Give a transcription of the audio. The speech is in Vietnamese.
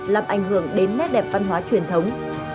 làm ảnh hưởng đến nét đẹp văn hóa truyền thống